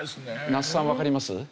那須さんわかります？